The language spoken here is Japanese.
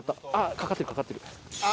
かかってるかかってる。